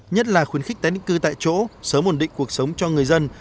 nhất là khuyến khích tái định cư tại chỗ sớm ổn định cuộc sống cho người dân